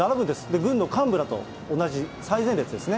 軍の幹部らと同じ最前列ですね。